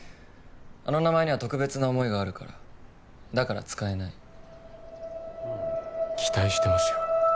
あの名前には特別な思いがあるからだから使えない期待してますよ